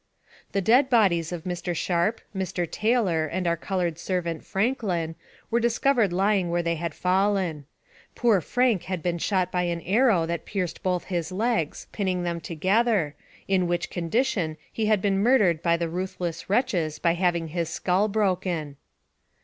The dead bodies of Mr. Sharp, Mr. Taylor, and our colored servant, Franklin, were discovered lying where they had fallen. Poor Frank had been shot by an arrow that pierced both his legs, pinning them together, in which condition he had been murdered by the ruth less wretches by having his skull broken.